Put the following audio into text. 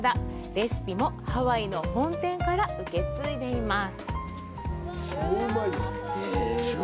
レシピも、ハワイの本店から受け継いでいます。